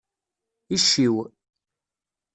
Icciw.